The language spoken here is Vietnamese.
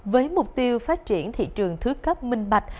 với mục tiêu phát triển thị trường thứ cấp minh bạch